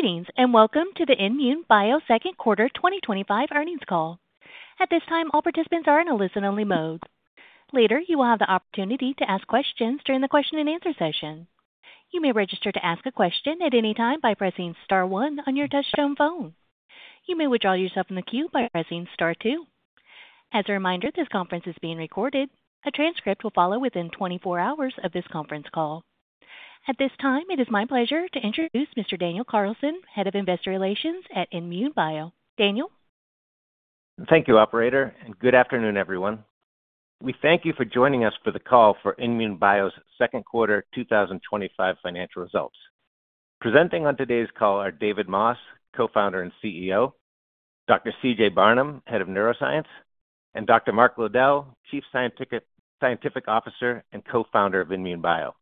Greetings, and welcome to the INmune Bio second quarter 2025 earnings call. At this time, all participants are in a listen-only mode. Later, you will have the opportunity to ask questions during the question and answer session. You may register to ask a question at any time by pressing star one on your touch-tone phone. You may withdraw yourself from the queue by pressing star two. As a reminder, this conference is being recorded. A transcript will follow within 24 hours of this conference call. At this time, it is my pleasure to introduce Mr. Daniel Carlson, Head of Investor Relations at INmune Bio. Daniel? Thank you, operator, and good afternoon, everyone. We thank you for joining us for the call for INmune Bio's second quarter 2025 financial results. Presenting on today's call are David Moss, Co-Founder and CEO; Dr. C.J. Barnum, Head of Neuroscience; and Dr. Mark Lowdell, Chief Scientific Officer and Co-Founder of INmune Bio.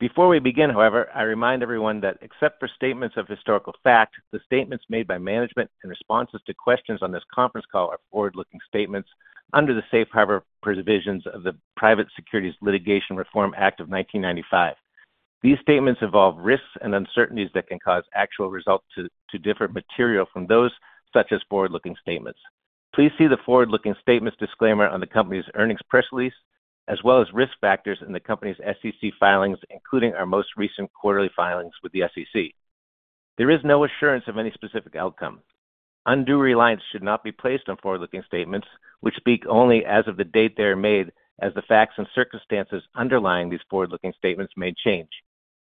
Before we begin, however, I remind everyone that except for statements of historical fact, the statements made by management and responses to questions on this conference call are forward-looking statements under the safe harbor provisions of the Private Securities Litigation Reform Act of 1995. These statements involve risks and uncertainties that can cause actual results to differ materially from those such as forward-looking statements. Please see the forward-looking statements disclaimer on the company's earnings press release, as well as risk factors in the company's SEC filings, including our most recent quarterly filings with the SEC.There is no assurance of any specific outcome. Undue reliance should not be placed on forward-looking statements, which speak only as of the date they are made, as the facts and circumstances underlying these forward-looking statements may change.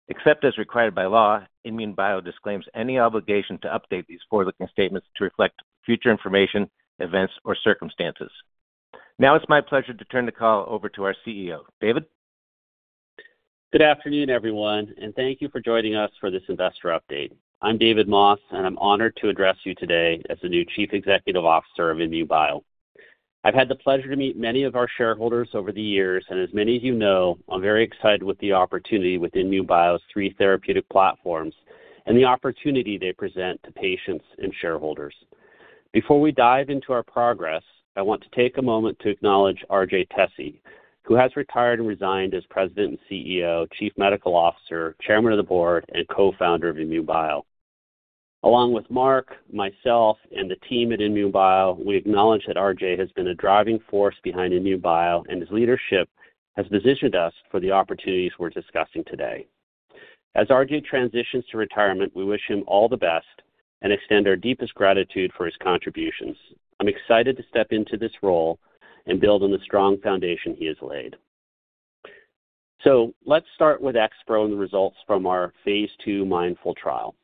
Except as required by law, INmune Bio disclaims any obligation to update these forward-looking statements to reflect future information, events, or circumstances. Now it's my pleasure to turn the call over to our CEO, David. Good afternoon, everyone, and thank you for joining us for this investor update. I'm David Moss, and I'm honored to address you today as the new Chief Executive Officer of INmune Bio. I've had the pleasure to meet many of our shareholders over the years, and as many of you know, I'm very excited with the opportunity with INmune Bio's three therapeutic platforms and the opportunity they present to patients and shareholders. Before we dive into our progress, I want to take a moment to acknowledge R.J. Tesi, who has retired and resigned as President and CEO, Chief Medical Officer, Chairman of the Board, and co-founder of INmune Bio. Along with Mark, myself, and the team at INmune Bio, we acknowledge that R.J. has been a driving force behind INmune Bio, and his leadership has positioned us for the opportunities we're discussing today. As R.J. transitions to retirement, we wish him all the best and extend our deepest gratitude for his contributions. I'm excited to step into this role and build on the strong foundation he has laid. Let's start with XPro and the results from our phase II MINDFuL trial.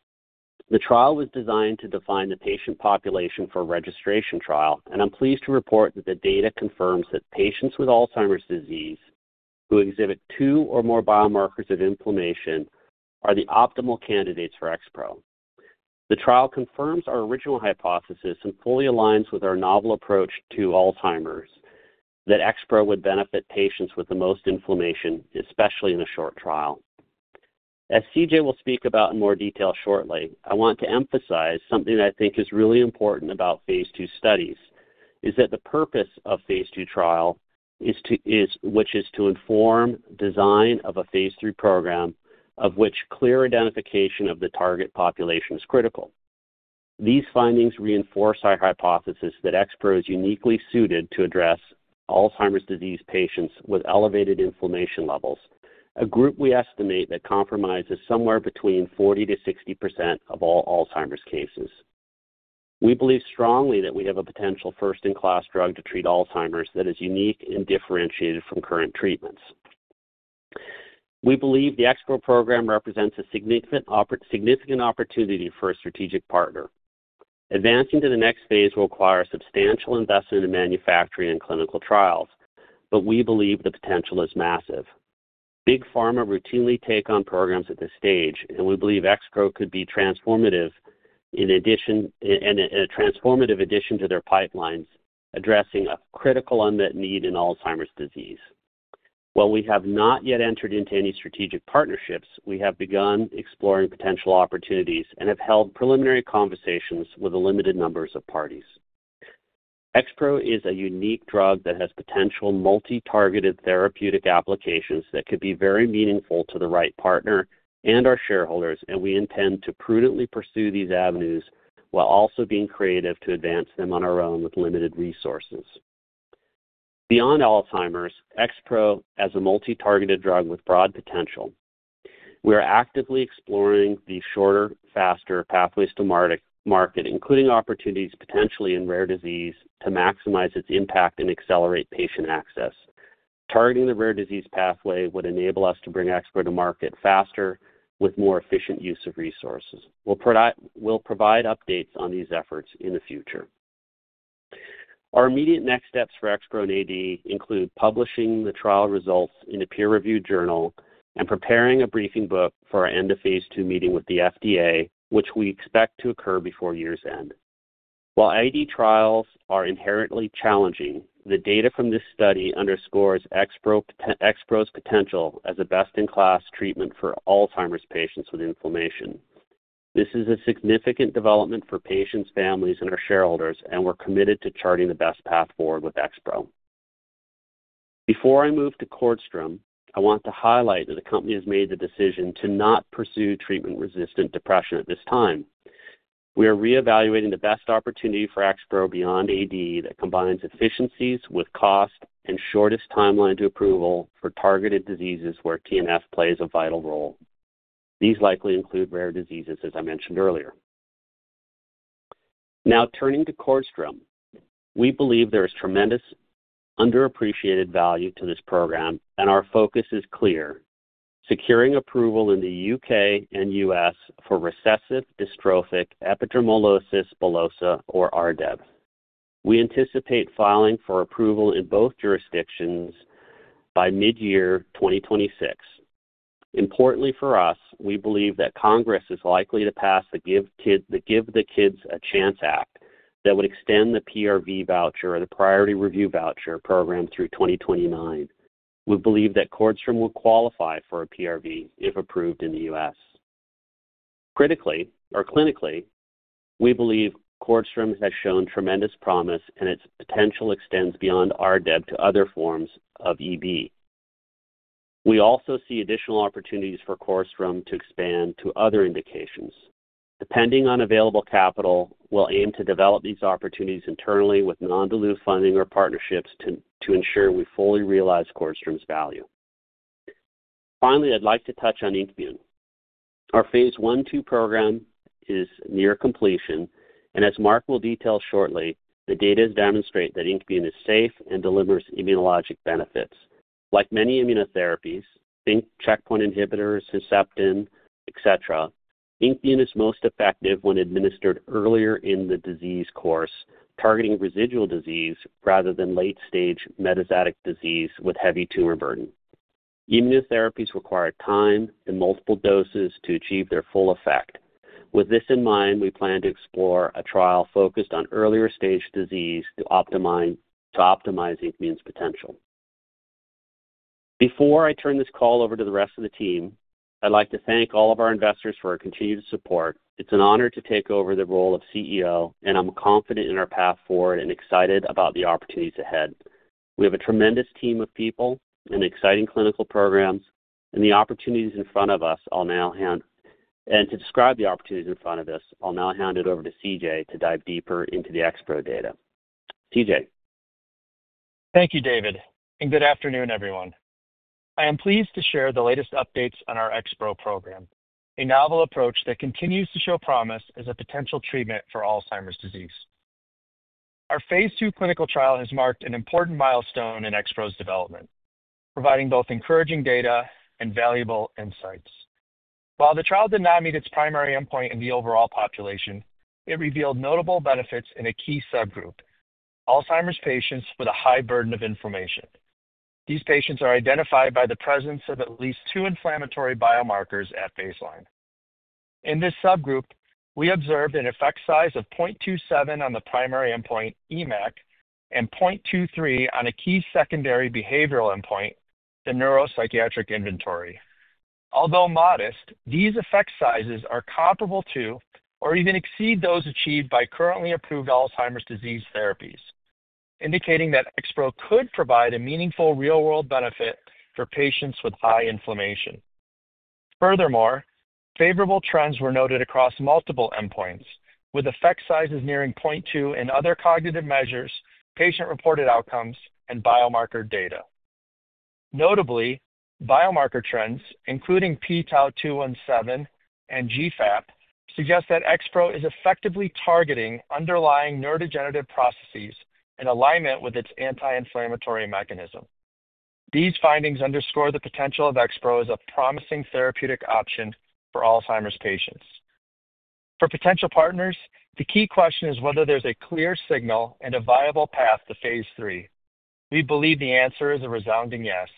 The trial was designed to define the patient population for a registration trial, and I'm pleased to report that the data confirms that patients with Alzheimer's disease who exhibit two or more biomarkers of inflammation are the optimal candidates for XPro. The trial confirms our original hypothesis and fully aligns with our novel approach to Alzheimer's that XPro would benefit patients with the most inflammation, especially in a short trial. As C.J. will speak about in more detail shortly, I want to emphasize something that I think is really important about phase II studies, which is that the purpose of a phase II trial is to inform the design of a phase III program, of which clear identification of the target population is critical. These findings reinforce our hypothesis that XPro is uniquely suited to address Alzheimer's disease patients with elevated inflammation levels, a group we estimate that comprises somewhere between 40%-60% of all Alzheimer's cases. We believe strongly that we have a potential first-in-class drug to treat Alzheimer's that is unique and differentiated from current treatments. We believe the XPro program represents a significant opportunity for a strategic partner. Advancing to the next phase will require substantial investment in manufacturing and clinical trials, but we believe the potential is massive. Big Pharma routinely takes on programs at this stage, and we believe XPro could be transformative in addition, and a transformative addition to their pipelines addressing a critical unmet need in Alzheimer's disease. While we have not yet entered into any strategic partnerships, we have begun exploring potential opportunities and have held preliminary conversations with a limited number of parties. XPro is a unique drug that has potential multi-targeted therapeutic applications that could be very meaningful to the right partner and our shareholders, and we intend to prudently pursue these avenues while also being creative to advance them on our own with limited resources. Beyond Alzheimer's, XPro has a multi-targeted drug with broad potential. We are actively exploring the shorter, faster pathways to market, including opportunities potentially in rare disease to maximize its impact and accelerate patient access. Targeting the rare disease pathway would enable us to bring XPro to market faster with more efficient use of resources. We'll provide updates on these efforts in the future. Our immediate next steps for XPro and AD include publishing the trial results in a peer-reviewed journal and preparing a briefing book for our end-of-phase II meeting with the FDA, which we expect to occur before year's end. While AD trials are inherently challenging, the data from this study underscores XPro's potential as a best-in-class treatment for Alzheimer's patients with inflammation. This is a significant development for patients, families, and our shareholders, and we're committed to charting the best path forward with XPro. Before I move to CORDStrom, I want to highlight that the company has made the decision to not pursue treatment-resistant depression at this time. We are reevaluating the best opportunity for XPro beyond AD that combines efficiencies with cost and the shortest timeline to approval for targeted diseases where TNF plays a vital role. These likely include rare diseases, as I mentioned earlier. Now turning to CORDStrom, we believe there is tremendous underappreciated value to this program, and our focus is clear: securing approval in the UK and US for recessive dystrophic epidermolysis bullosa, or RDEB. We anticipate filing for approval in both jurisdictions by mid-year 2026. Importantly for us, we believe that Congress is likely to pass the Give the Kids a Chance Act that would extend the PRV and a priority review voucher program through 2029. We believe that CORDStrom will qualify for a PRV if approved in the U.S. Critically or clinically, we believe CORDStrom has shown tremendous promise, and its potential extends beyond RDEB to other forms of EB. We also see additional opportunities for CORDStrom to expand to other indications. Depending on available capital, we'll aim to develop these opportunities internally with non-dilutive funding or partnerships to ensure we fully realize CORDStrom's value. Finally, I'd like to touch on INKmune. Our phase I/II program is near completion, and as Mark will detail shortly, the data demonstrate that INKmune is safe and delivers immunologic benefits. Like many immunotherapies, think checkpoint inhibitors, Herceptin, et cetera, INKmune is most effective when administered earlier in the disease course, targeting residual disease rather than late-stage metastatic disease with heavy tumor burden. Immunotherapies require time and multiple doses to achieve their full effect. With this in mind, we plan to explore a trial focused on earlier-stage disease to optimize INKmune's potential. Before I turn this call over to the rest of the team, I'd like to thank all of our investors for our continued support. It's an honor to take over the role of CEO, and I'm confident in our path forward and excited about the opportunities ahead. We have a tremendous team of people and exciting clinical programs, and the opportunities in front of us, I'll now hand, and to describe the opportunities in front of us, I'll now hand it over to C.J. to dive deeper into the XPro data. C.J. Thank you, David, and good afternoon, everyone. I am pleased to share the latest updates on our XPro program, a novel approach that continues to show promise as a potential treatment for Alzheimer's disease. Our phase II clinical trial has marked an important milestone in XPro's development, providing both encouraging data and valuable insights. While the trial did not meet its primary endpoint in the overall population, it revealed notable benefits in a key subgroup: Alzheimer's patients with a high burden of inflammation. These patients are identified by the presence of at least two inflammatory biomarkers at baseline. In this subgroup, we observed an effect size of 0.27 on the primary endpoint EMAC and 0.23 on a key secondary behavioral endpoint, the neuropsychiatric inventory. Although modest, these effect sizes are comparable to or even exceed those achieved by currently approved Alzheimer's disease therapies, indicating that XPro could provide a meaningful real-world benefit for patients with high inflammation. Furthermore, favorable trends were noted across multiple endpoints, with effect sizes nearing 0.2 in other cognitive measures, patient-reported outcomes, and biomarker data. Notably, biomarker trends, including pTau217 and GFAP, suggest that XPro is effectively targeting underlying neurodegenerative processes in alignment with its anti-inflammatory mechanism. These findings underscore the potential of XPro as a promising therapeutic option for Alzheimer's patients. For potential partners, the key question is whether there's a clear signal and a viable path to phase III. We believe the answer is a resounding yes.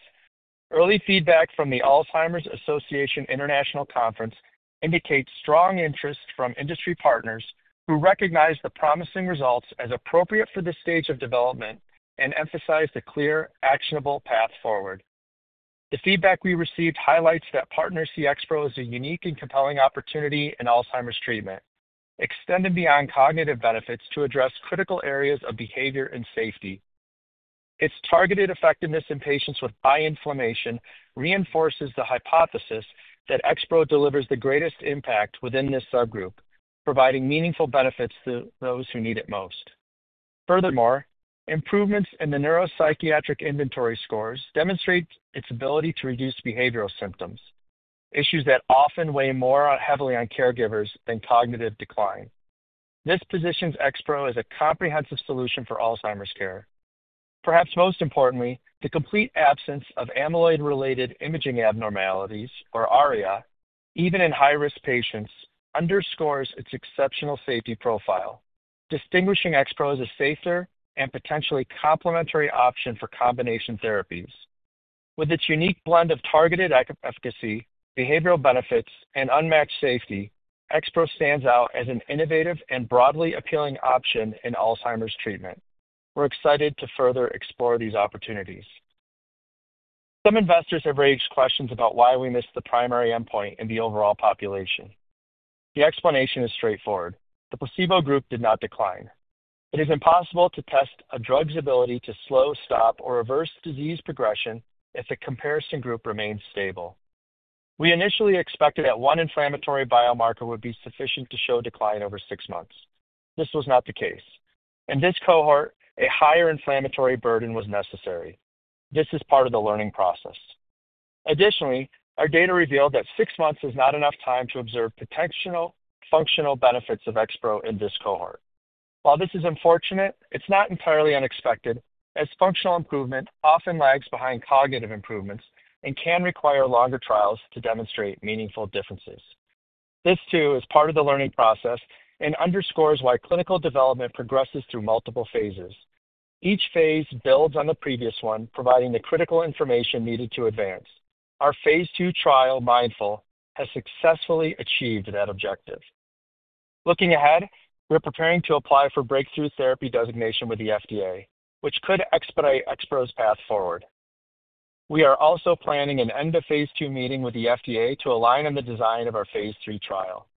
Early feedback from the Alzheimer's Association International Conference indicates strong interest from industry partners who recognize the promising results as appropriate for this stage of development and emphasize the clear, actionable path forward. The feedback we received highlights that partners see XPro as a unique and compelling opportunity in Alzheimer's treatment, extended beyond cognitive benefits to address critical areas of behavior and safety. Its targeted effectiveness in patients with high inflammation reinforces the hypothesis that XPro delivers the greatest impact within this subgroup, providing meaningful benefits to those who need it most. Furthermore, improvements in the neuropsychiatric inventory scores demonstrate its ability to reduce behavioral symptoms, issues that often weigh more heavily on caregivers than cognitive decline. This positions XPro as a comprehensive solution for Alzheimer's care. Perhaps most importantly, the complete absence of amyloid-related imaging abnormalities, or ARIA events, even in high-risk patients underscores its exceptional safety profile, distinguishing XPro as a safer and potentially complementary option for combination therapies. With its unique blend of targeted efficacy, behavioral benefits, and unmatched safety, XPro stands out as an innovative and broadly appealing option in Alzheimer's treatment. We're excited to further explore these opportunities. Some investors have raised questions about why we missed the primary endpoint in the overall population. The explanation is straightforward: the placebo group did not decline. It is impossible to test a drug's ability to slow, stop, or reverse disease progression if the comparison group remains stable. We initially expected that one inflammatory biomarker would be sufficient to show decline over six months. This was not the case. In this cohort, a higher inflammatory burden was necessary. This is part of the learning process. Additionally, our data revealed that six months is not enough time to observe potential functional benefits of XPro in this cohort. While this is unfortunate, it's not entirely unexpected, as functional improvement often lags behind cognitive improvements and can require longer trials to demonstrate meaningful differences. This, too, is part of the learning process and underscores why clinical development progresses through multiple phases. Each phase builds on the previous one, providing the critical information needed to advance. Our phase II trial, MINDFuL, has successfully achieved that objective. Looking ahead, we're preparing to apply for breakthrough therapy designation with the FDA, which could expedite XPro's path forward. We are also planning an end-of-phase II meeting with the FDA to align on the design of our phase III trial.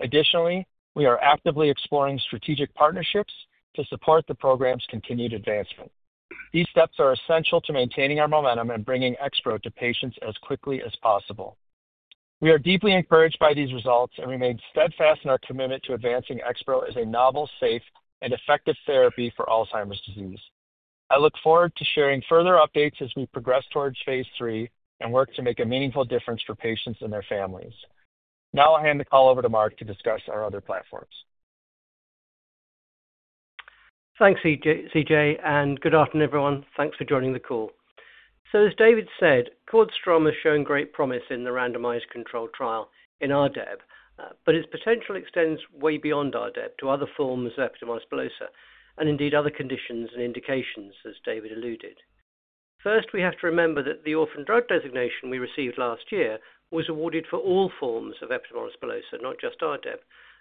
Additionally, we are actively exploring strategic partnerships to support the program's continued advancement. These steps are essential to maintaining our momentum and bringing XPro to patients as quickly as possible. We are deeply encouraged by these results and remain steadfast in our commitment to advancing XPro as a novel, safe, and effective therapy for Alzheimer's disease. I look forward to sharing further updates as we progress towards phase III and work to make a meaningful difference for patients and their families. Now I'll hand the call over to Mark to discuss our other platforms. Thanks, C.J., and good afternoon, everyone. Thanks for joining the call. As David said, CORDStrom has shown great promise in the randomized control trial in RDEB, but its potential extends way beyond RDEB to other forms of epidermolysis bullosa and indeed other conditions and indications, as David alluded. First, we have to remember that the orphan drug designation we received last year was awarded for all forms of epidermolysis bullosa, not just RDEB,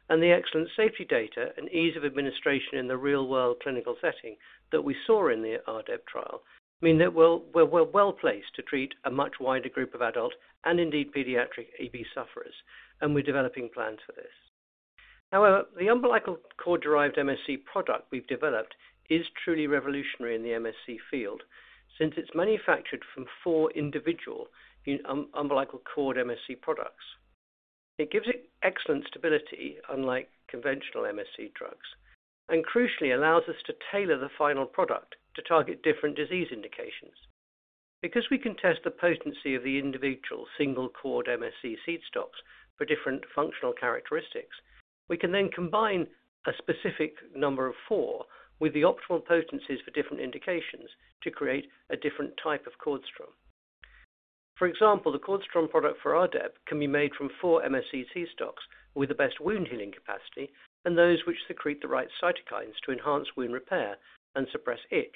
and the excellent safety data and ease of administration in the real-world clinical setting that we saw in the RDEB trial mean that we're well placed to treat a much wider group of adult and indeed pediatric EB sufferers, and we're developing plans for this. However, the umbilical cord-derived MSC product we've developed is truly revolutionary in the MSC field since it's manufactured from four individual umbilical cord MSC products. It gives it excellent stability, unlike conventional MSC drugs, and crucially allows us to tailor the final product to target different disease indications. Because we can test the potency of the individual single cord MSC seed stocks for different functional characteristics, we can then combine a specific number of four with the optimal potencies for different indications to create a different type of CORDStrom. For example, the CORDStrom product for RDEB can be made from four MSC seed stocks with the best wound healing capacity and those which secrete the right cytokines to enhance wound repair and suppress itch.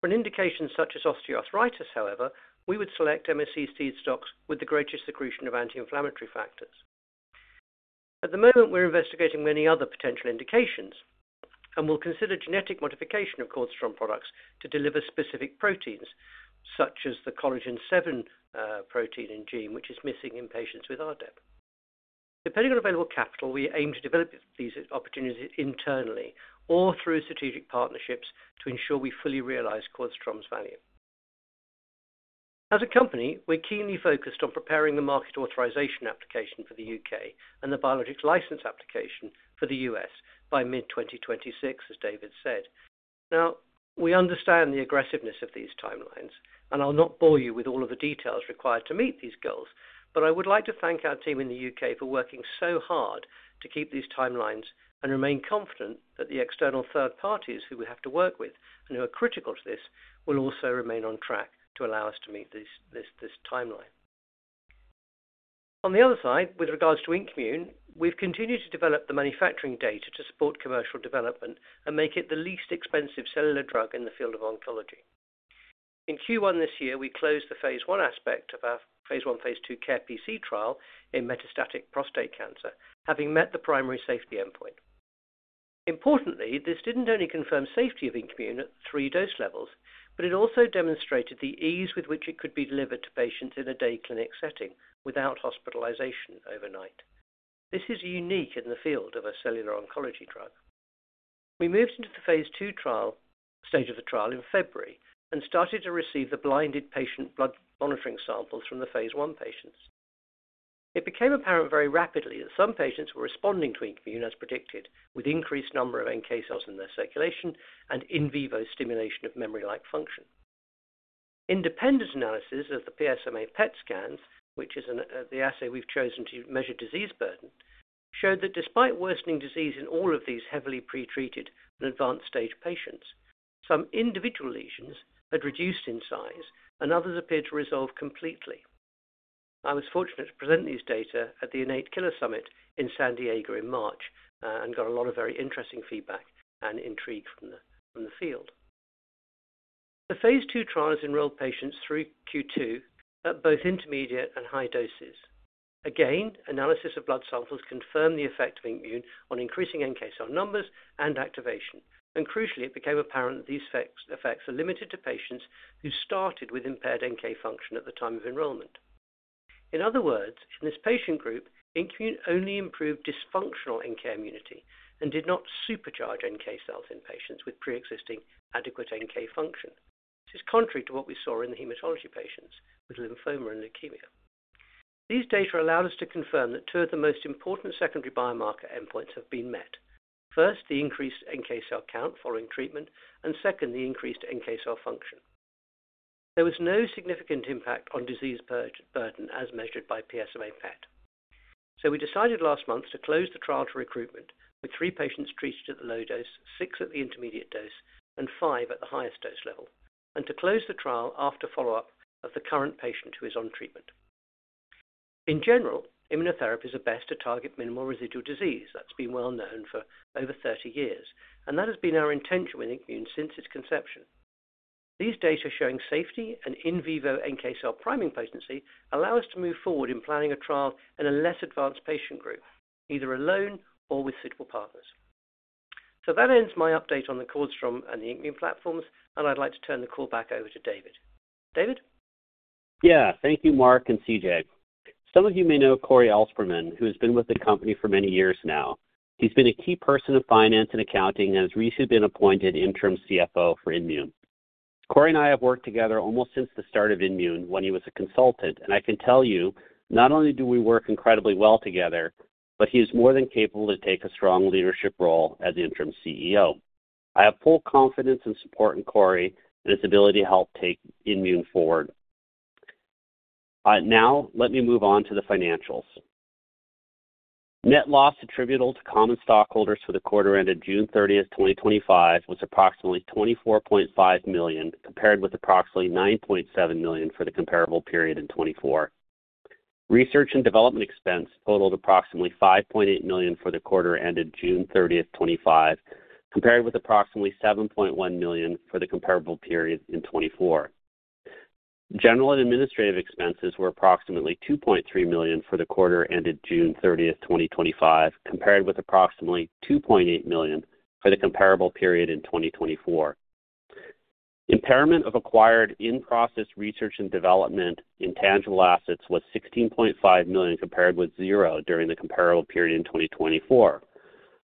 For an indication such as osteoarthritis, however, we would select MSC seed stocks with the greatest secretion of anti-inflammatory factors. At the moment, we're investigating many other potential indications, and we'll consider genetic modification of CORDStrom products to deliver specific proteins, such as the collagen seven protein in gene, which is missing in patients with RDEB. Depending on available capital, we aim to develop these opportunities internally or through strategic partnerships to ensure we fully realize CORDStrom's value. As a company, we're keenly focused on preparing the market authorization application for the U.K. and the biologics license application for the U.S. by mid-2026, as David said. Now, we understand the aggressiveness of these timelines, and I'll not bore you with all of the details required to meet these goals, but I would like to thank our team in the U.K. for working so hard to keep these timelines and remain confident that the external third parties who we have to work with and who are critical to this will also remain on track to allow us to meet this timeline. On the other side, with regards to INKmune, we've continued to develop the manufacturing data to support commercial development and make it the least expensive cellular drug in the field of oncology. In Q1 this year, we closed the phase I aspect of our phase I/2 care PC trial in metastatic prostate cancer, having met the primary safety endpoint. Importantly, this didn't only confirm safety of INKmune at three dose levels, but it also demonstrated the ease with which it could be delivered to patients in a day clinic setting without hospitalization overnight. This is unique in the field of a cellular oncology drug. We moved into the phase II trial stage of the trial in February and started to receive the blinded patient blood monitoring samples from the phase I patients. It became apparent very rapidly that some patients were responding to INKmune as predicted, with an increased number of NK cells in their circulation and in vivo stimulation of memory-like function. Independent analysis of the PSMA PET scans, which is the assay we've chosen to measure disease burden, showed that despite worsening disease in all of these heavily pretreated and advanced stage patients, some individual lesions had reduced in size, and others appeared to resolve completely. I was fortunate to present these data at the Innate Killer Summit in San Diego in March and got a lot of very interesting feedback and intrigue from the field. The phase II trial has enrolled patients through Q2 at both intermediate and high doses. Again, analysis of blood samples confirmed the effect of INKmune on increasing NK cell numbers and activation, and crucially, it became apparent that these effects are limited to patients who started with impaired NK function at the time of enrollment. In other words, in this patient group, INKmune only improved dysfunctional NK immunity and did not supercharge NK cells in patients with pre-existing adequate NK function. This is contrary to what we saw in the hematology patients with lymphoma and leukemia. These data allowed us to confirm that two of the most important secondary biomarker endpoints have been met. First, the increased NK cell count following treatment, and second, the increased NK cell function. There was no significant impact on disease burden as measured by PSMA PET. We decided last month to close the trial to recruitment with three patients treated at the low dose, six at the intermediate dose, and five at the highest dose level, and to close the trial after follow-up of the current patient who is on treatment. In general, immunotherapies are best to target minimal residual disease. That's been well known for over 30 years, and that has been our intention with INKmune since its conception. These data showing safety and in vivo NK cell priming potency allow us to move forward in planning a trial in a less advanced patient group, either alone or with suitable partners. That ends my update on the CORDStrom and the INKmune platforms, and I'd like to turn the call back over to David. David? Yeah, thank you, Mark and C.J. Some of you may know Corey Ellspermann, who has been with the company for many years now. He's been a key person in Finance and Accounting and has recently been appointed Interim CFO for INmune. Corey and I have worked together almost since the start of INmune Bio when he was a consultant, and I can tell you, not only do we work incredibly well together, but he is more than capable to take a strong leadership role as Interim CEO. I have full confidence and support in Corey and his ability to help take INmune forward. Now, let me move on to the financials. Net loss attributable to common stockholders for the quarter ended June 30, 2025, was approximately $24.5 million, compared with approximately $9.7 million for the comparable period in 2024. Research and development expense totaled approximately $5.8 million for the quarter ended June 30, 2025, compared with approximately $7.1 million for the comparable period in 2024. General and administrative expenses were approximately $2.3 million for the quarter ended June 30, 2025, compared with approximately $2.8 million for the comparable period in 2024. Impairment of acquired in-process research and development intangible assets was $16.5 million, compared with zero during the comparable period in 2024.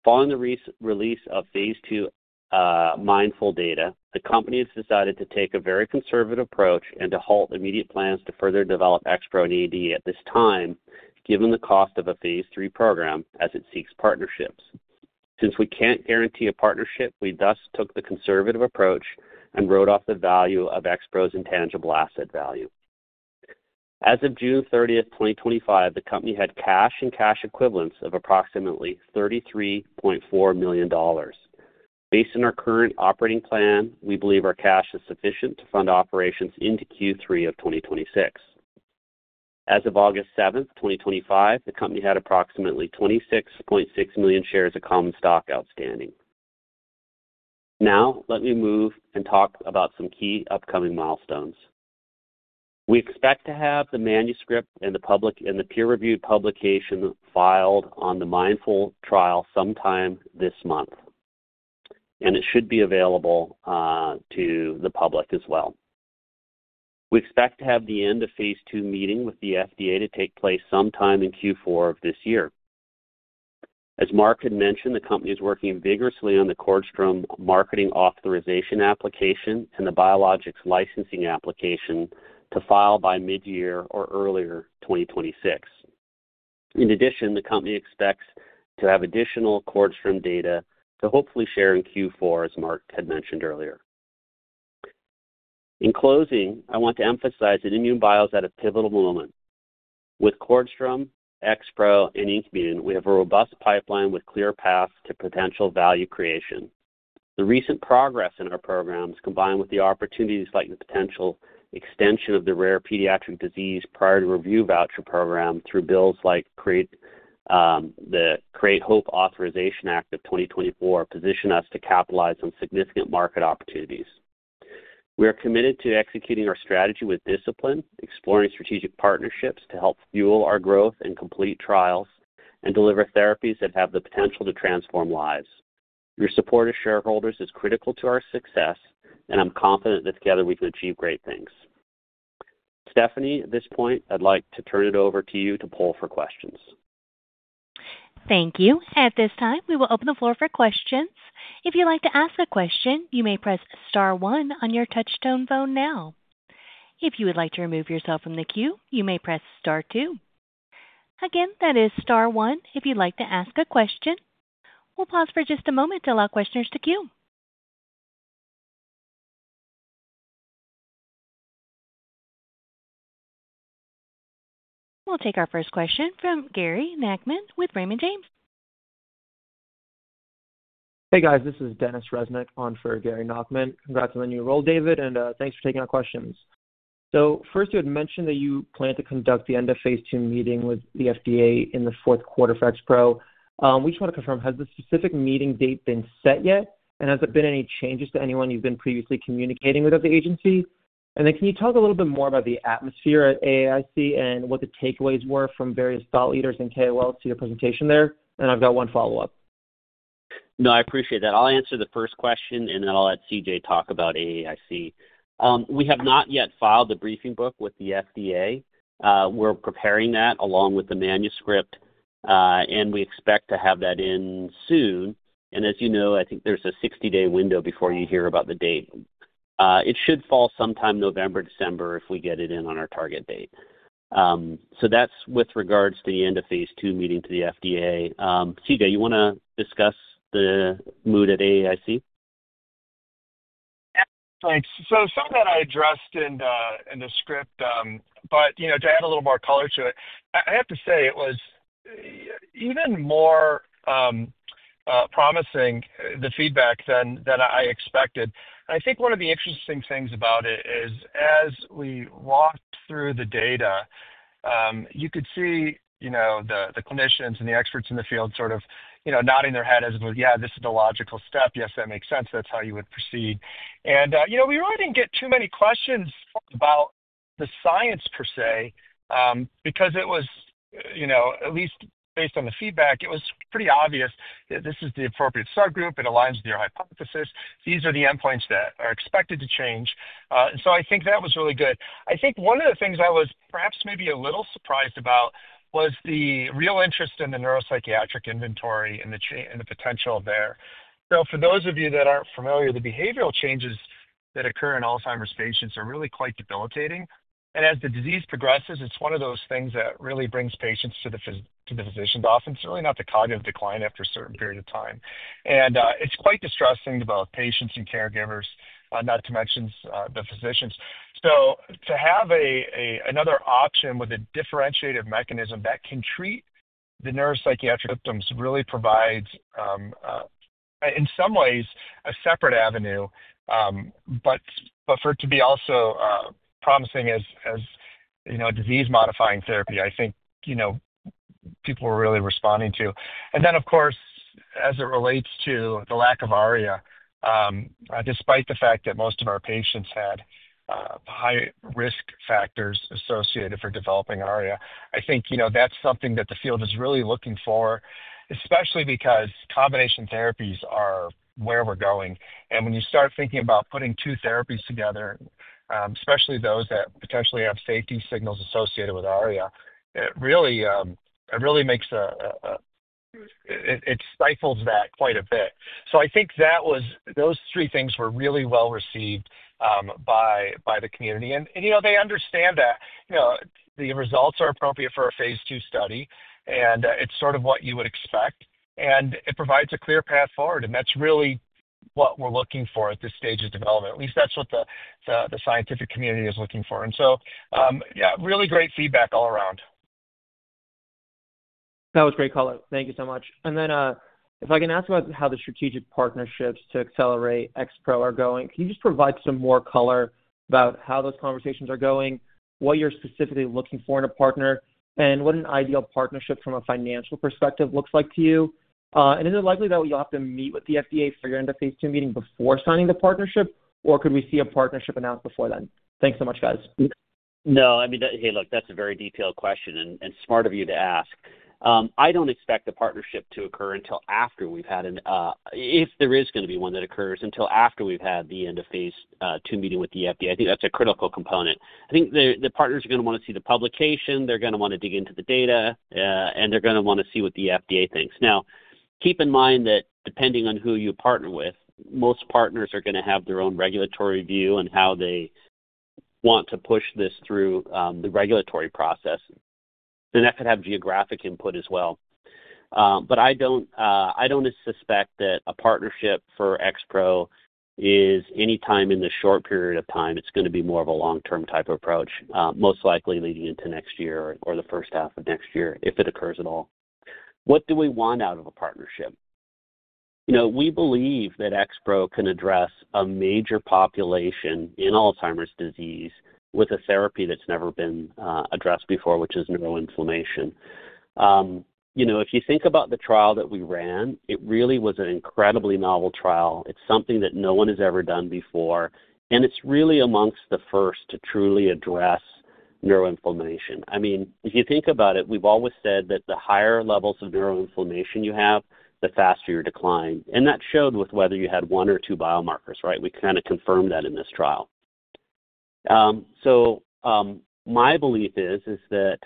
Following the release of phase II MINDFuL data, the company has decided to take a very conservative approach and to halt immediate plans to further develop XPro and ED at this time, given the cost of a phase III program as it seeks partnerships. Since we can't guarantee a partnership, we thus took the conservative approach and wrote off the value of XPro's intangible asset value. As of June 30, 2025, the company had cash and cash equivalents of approximately $33.4 million. Based on our current operating plan, we believe our cash is sufficient to fund operations into Q3 of 2026. As of August 7, 2025, the company had approximately 26.6 million shares of common stock outstanding. Now, let me move and talk about some key upcoming milestones. We expect to have the manuscript and the public and the peer-reviewed publication filed on the MINDFuL trial sometime this month, and it should be available to the public as well. We expect to have the end-of-phase II meeting with the FDA to take place sometime in Q4 of this year. As Mark had mentioned, the company is working vigorously on the CORDStrom marketing authorization application and the biologics licensing application to file by mid-year or earlier 2026. In addition, the company expects to have additional CORDStrom data to hopefully share in Q4, as Mark had mentioned earlier. In closing, I want to emphasize that INmune Bio is at a pivotal moment. With CORDStrom, XPro, and INKmune, we have a robust pipeline with clear paths to potential value creation. The recent progress in our programs, combined with the opportunities like the potential extension of the rare pediatric disease Priority Review Voucher program through bills like Create Hope Authorization Act of 2024, position us to capitalize on significant market opportunities. We are committed to executing our strategy with discipline, exploring strategic partnerships to help fuel our growth and complete trials, and deliver therapies that have the potential to transform lives. Your support of shareholders is critical to our success, and I'm confident that together we can achieve great things. Stephanie, at this point, I'd like to turn it over to you to pull for questions. Thank you. At this time, we will open the floor for questions. If you'd like to ask a question, you may press star one on your touch-tone phone now. If you would like to remove yourself from the queue, you may press star two. Again, that is star one if you'd like to ask a question. We'll pause for just a moment to allow questioners to queue. We'll take our first question from Gary Nachman with Raymond James. Hey, guys, this is Denis Reznik on for Gary Nachtman. Congrats on the new role, David, and thanks for taking our questions. You had mentioned that you plan to conduct the end-of-phase II meeting with the FDA in the fourth quarter for XPro. We just want to confirm, has the specific meeting date been set yet? Has there been any changes to anyone you've been previously communicating with at the agency? Can you tell us a little bit more about the atmosphere at the AAIC and what the takeaways were from various thought leaders and KOLs to your presentation there? I've got one follow-up. No, I appreciate that. I'll answer the first question, and then I'll let C.J. talk about AAIC. We have not yet filed the briefing book with the FDA. We're preparing that along with the manuscript, and we expect to have that in soon. As you know, I think there's a 60-day window before you hear about the date. It should fall sometime November, December if we get it in on our target date. That's with regards to the end-of-phase II meeting to the FDA. C.J., you want to discuss the mood at AAIC? Thanks. Some of that I addressed in the script, but to add a little more color to it, I have to say it was even more promising, the feedback than I expected. I think one of the interesting things about it is as we walked through the data, you could see the clinicians and the experts in the field sort of nodding their head as if it was, "Yeah, this is the logical step. Yes, that makes sense. That's how you would proceed." We really didn't get too many questions about the science per se, because at least based on the feedback, it was pretty obvious that this is the appropriate subgroup. It aligns with your hypothesis. These are the endpoints that are expected to change. I think that was really good. One of the things I was perhaps maybe a little surprised about was the real interest in the neuropsychiatric inventory and the potential there. For those of you that aren't familiar, the behavioral changes that occur in Alzheimer's patients are really quite debilitating. As the disease progresses, it's one of those things that really brings patients to the physician's office. It's really not the cognitive decline after a certain period of time. It's quite distressing to both patients and caregivers, not to mention the physicians. To have another option with a differentiated mechanism that can treat the neuropsychiatric symptoms really provides, in some ways, a separate avenue. For it to be also promising as a disease-modifying therapy, I think people were really responding to. Of course, as it relates to the lack of ARIA, despite the fact that most of our patients had high-risk factors associated for developing ARIA, I think that's something that the field is really looking for, especially because combination therapies are where we're going. When you start thinking about putting two therapies together, especially those that potentially have safety signals associated with ARIA, it really stifles that quite a bit. I think those three things were really well received by the community. They understand that the results are appropriate for a phase II study, and it's sort of what you would expect, and it provides a clear path forward. That's really what we're looking for at this stage of development. At least that's what the scientific community is looking for. Really great feedback all around. That was great color. Thank you so much. If I can ask about how the strategic partnerships to accelerate XPro are going, can you just provide some more color about how those conversations are going, what you're specifically looking for in a partner, and what an ideal partnership from a financial perspective looks like to you? Is it likely that you'll have to meet with the FDA for your end-of-phase II meeting before signing the partnership, or could we see a partnership announced before then? Thanks so much, guys. No, I mean, hey, look, that's a very detailed question and smart of you to ask. I don't expect the partnership to occur until after we've had an, if there is going to be one that occurs, until after we've had the end-of-phase II meeting with the FDA. I think that's a critical component. I think the partners are going to want to see the publication. They're going to want to dig into the data, and they're going to want to see what the FDA thinks. Now, keep in mind that depending on who you partner with, most partners are going to have their own regulatory view on how they want to push this through the regulatory process. That could have geographic input as well. I don't suspect that a partnership for XPro is any time in the short period of time. It's going to be more of a long-term type of approach, most likely leading into next year or the first half of next year if it occurs at all. What do we want out of a partnership? You know we believe that XPro can address a major population in Alzheimer's disease with a therapy that's never been addressed before, which is neuroinflammation. If you think about the trial that we ran, it really was an incredibly novel trial. It's something that no one has ever done before, and it's really amongst the first to truly address neuroinflammation. If you think about it, we've always said that the higher levels of neuroinflammation you have, the faster your decline. That showed with whether you had one or two biomarkers, right? We kind of confirmed that in this trial. My belief is that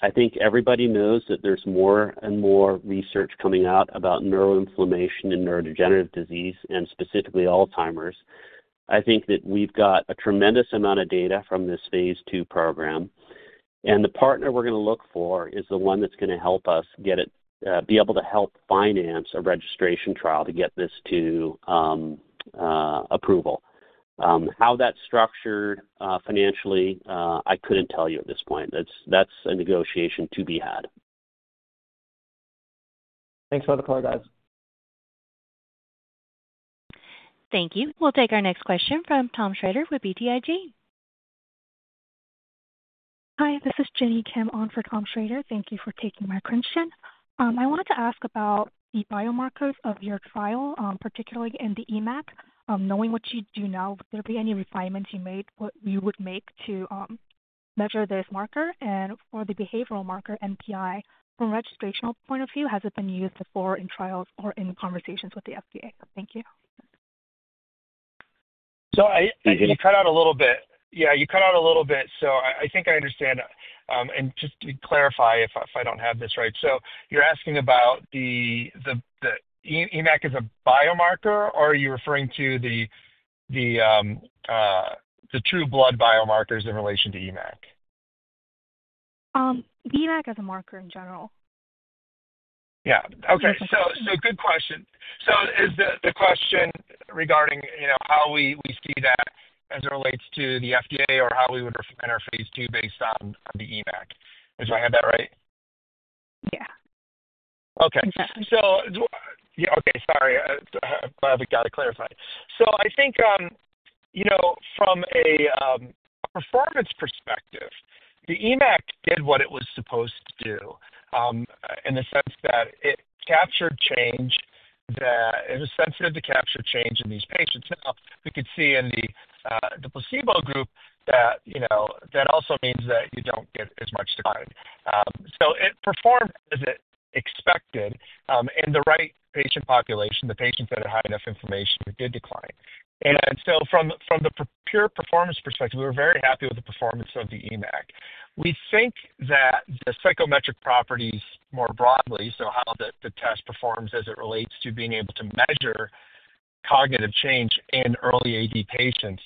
I think everybody knows that there's more and more research coming out about neuroinflammation and neurodegenerative disease, and specifically Alzheimer's. I think that we've got a tremendous amount of data from this phase II program, and the partner we're going to look for is the one that's going to help us get it, be able to help finance a registration trial to get this to approval. How that's structured financially, I couldn't tell you at this point. That's a negotiation to be had. Thanks for all the color, guys. Thank you. We'll take our next question from Thomas Shrader with BTIG. Hi, this is Jenny Kim on for Thomas Shrader. Thank you for taking my question. I wanted to ask about the biomarkers of your trial, particularly in the EMAC, knowing what you do now. Would there be any refinements you made or you would make to measure this marker? For the behavioral marker, MPI, from a registrational point of view, has it been used before in trials or in conversations with the FDA? Thank you. You cut out a little bit. I think I understand. Just to clarify if I don't have this right, you're asking about the EMAC as a biomarker, or are you referring to the true blood biomarkers in relation to EMAC? The EMAC as a marker in general. Okay. Good question. Is the question regarding how we see that as it relates to the FDA or how we would refine our phase II based on the EMAC? Do I have that right? Yeah. Okay. Sorry. I haven't got it clarified. I think, you know, from a performance perspective, the EMAC did what it was supposed to do in the sense that it captured change, that it was sensitive to capture change in these patients. We could see in the placebo group that, you know, that also means that you don't get as much decline. It performed as expected in the right patient population, the patients that had high enough inflammation that did decline. From the pure performance perspective, we were very happy with the performance of the EMAC. We think that the psychometric properties more broadly, so how the test performs as it relates to being able to measure cognitive change in early AD patients,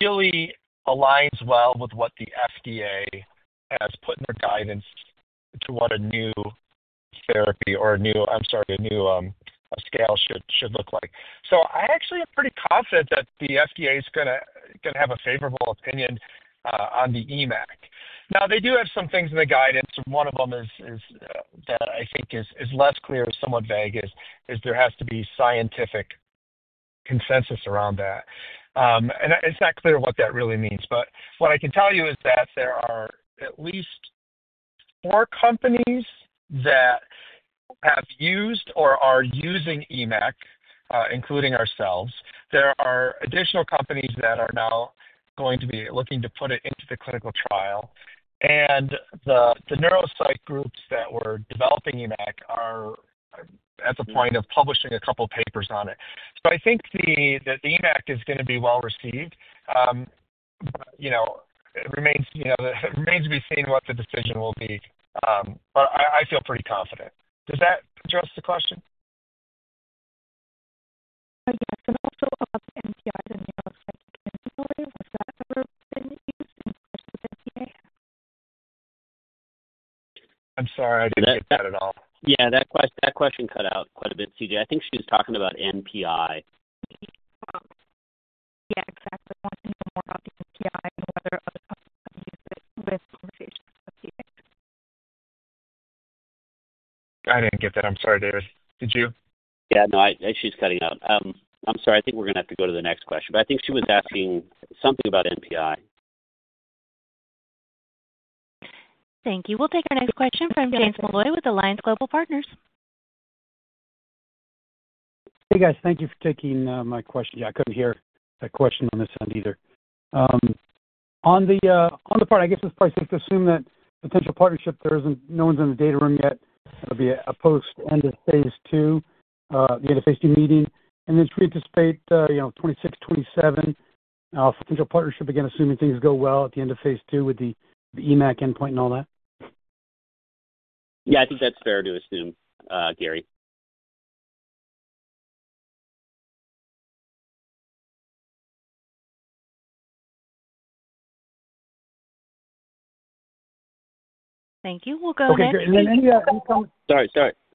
really aligns well with what the FDA has put in their guidance to what a new therapy or a new, I'm sorry, a new scale should look like.I actually am pretty confident that the FDA is going to have a favorable opinion on the EMAC. They do have some things in the guidance, and one of them that I think is less clear and somewhat vague is there has to be scientific consensus around that. It's not clear what that really means. What I can tell you is that there are at least four companies that have used or are using EMAC, including ourselves. There are additional companies that are now going to be looking to put it into the clinical trial. The neuropsych groups that were developing EMAC are at the point of publishing a couple of papers on it. I think that EMAC is going to be well received. It remains to be seen what the decision will be. I feel pretty confident. Does that address the question? I'm sorry, I didn't get that at all. Yeah, that question cut out quite a bit, C.J. I think she was talking about MPI. Yeah, exactly. I think the more up to MPI and whether it would be a good risk for patients. I'm sorry, David. Did you? I think she's cutting out. I'm sorry. I think we're going to have to go to the next question, but I think she was asking something about MPI. Thank you. We'll take our next question from James Molloy with Alliance Global Partners. Hey, guys. Thank you for taking my question. I couldn't hear that question on this end either. On the part, I guess it's probably safe to assume that potential partnership, no one's in the data room yet. It'll be a post-end-of-phase II, the end-of-phase II meeting. Should we anticipate 2026, 2027 potential partnership, again, assuming things go well at the end of phase II with the EMAC endpoint and all that? Yeah, I think that's fair to assume, James. Thank you. We'll go ahead. Okay, great.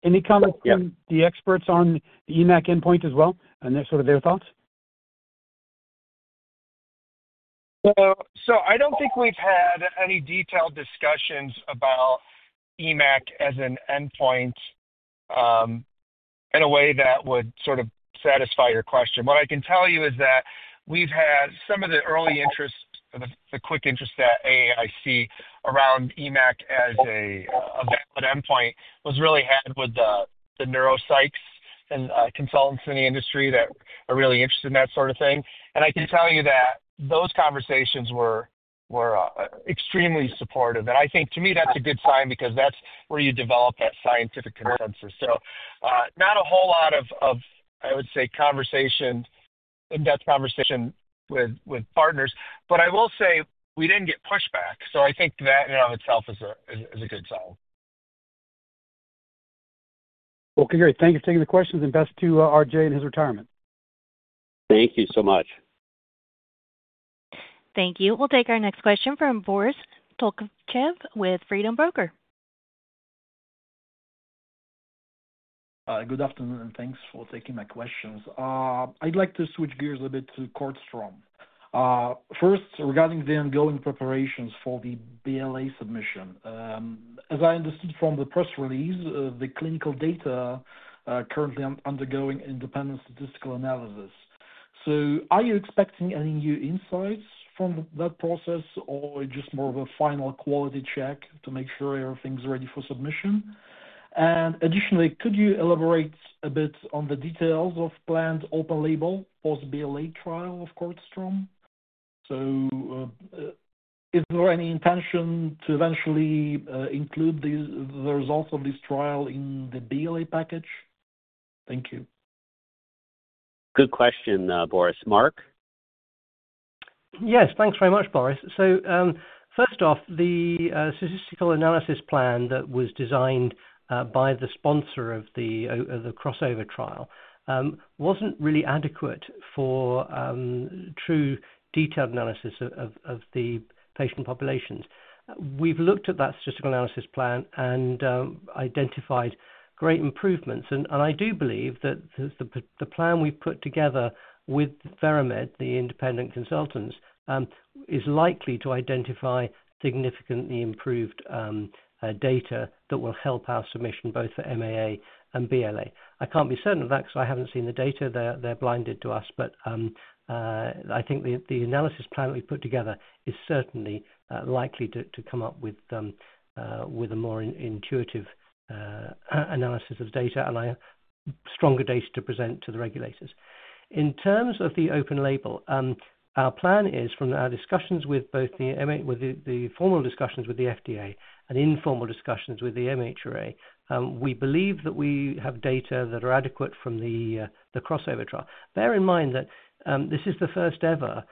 Any comments from the experts on the EMAC endpoint as well, and their sort of their thoughts? I don't think we've had any detailed discussions about EMAC as an endpoint in a way that would sort of satisfy your question. What I can tell you is that we've had some of the early interests, the quick interests at the AAIC around EMAC as a valid endpoint was really had with the neuropsychs and consultants in the industry that are really interested in that sort of thing. I can tell you that those conversations were extremely supportive. I think, to me, that's a good sign because that's where you develop that scientific consensus. Not a whole lot of, I would say, in-depth conversation with partners. I will say we didn't get pushback. I think that in and of itself is a good sign. Okay, great. Thank you for taking the questions, and best to R.J. and his retirement. Thank you so much. Thank you. We'll take our next question from Boris Tokhachev with Freedom Broker. Good afternoon, and thanks for taking my questions. I'd like to switch gears a bit to CORDStrom. First, regarding the ongoing preparations for the BLA submission, as I understood from the press release, the clinical data are currently undergoing independent statistical analysis. Are you expecting any new insights from that process, or just more of a final quality check to make sure everything's ready for submission? Additionally, could you elaborate a bit on the details of planned open label for the BLA trial of CORDStrom? Is there any intention to eventually include the results of this trial in the BLA package? Thank you. Good question, Boris. Mark? Yes, thanks very much, Boris. First off, the statistical analysis plan that was designed by the sponsor of the crossover trial wasn't really adequate for true detailed analysis of the patient populations. We've looked at that statistical analysis plan and identified great improvements. I do believe that the plan we've put together with Verimed, the independent consultants, is likely to identify significantly improved data that will help our submission both for MAA and BLA. I can't be certain of that because I haven't seen the data. They're blinded to us. I think the analysis plan that we've put together is certainly likely to come up with a more intuitive analysis of data and stronger data to present to the regulators. In terms of the open label, our plan is from our discussions with both the formal discussions with the FDA and informal discussions with the MHRA, we believe that we have data that are adequate from the crossover trial. Bear in mind that this is the first ever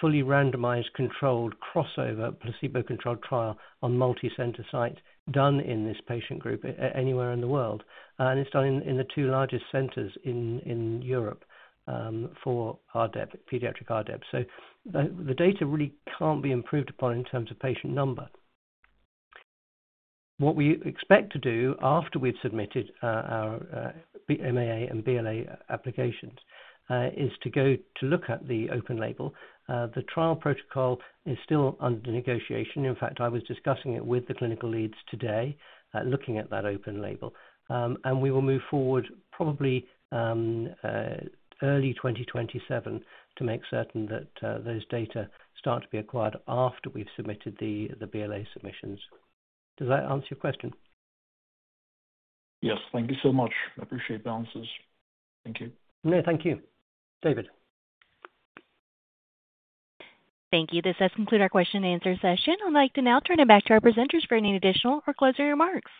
fully randomized controlled crossover placebo-controlled trial on multi-center sites done in this patient group anywhere in the world. It's done in the two largest centers in Europe for RDEB, pediatric RDEB. The data really can't be improved upon in terms of patient number. What we expect to do after we've submitted our MAA and BLA applications is to go to look at the open label. The trial protocol is still under negotiation. In fact, I was discussing it with the clinical leads today, looking at that open label. We will move forward probably early 2027 to make certain that those data start to be acquired after we've submitted the BLA submissions. Does that answer your question? Yes, thank you so much. I appreciate the answers. Thank you. No, thank you, David. Thank you. This does conclude our question-and-answer session. I'd like to now turn it back to our presenters for any additional or closing remarks.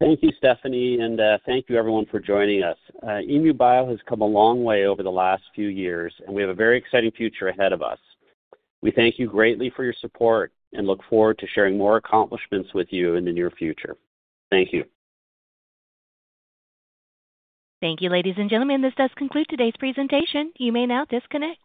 Thank you, Stephanie, and thank you, everyone, for joining us. INmune Bio has come a long way over the last few years, and we have a very exciting future ahead of us. We thank you greatly for your support and look forward to sharing more accomplishments with you in the near future. Thank you. Thank you, ladies and gentlemen. This does conclude today's presentation. You may now disconnect.